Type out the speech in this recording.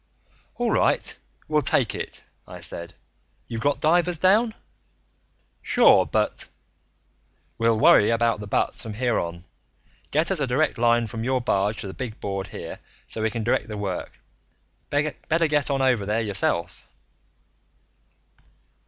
"All right, we'll take it," I said. "You've got divers down?" "Sure, but " "We'll worry about the buts from here on. Get us a direct line from your barge to the big board here so we can direct the work. Better get on over here yourself."